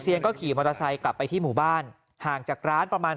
ก็ขี่มอเตอร์ไซค์กลับไปที่หมู่บ้านห่างจากร้านประมาณ